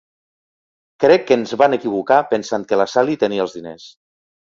Crec que ens van equivocar pensant que la Sally tenia els diners.